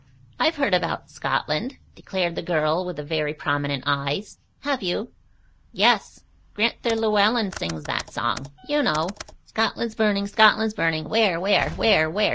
"I've heard about Scotland," declared the girl with the very prominent eyes. "Have you?" "Yes. Gran'ther Llewellen sings that song. You know: "'Scotland's burning! Scotland's burning! Where, where? Where, where?